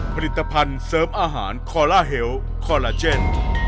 ผลิตภัณฑ์เสริมอาหารคอลลาเฮลคอลลาเจน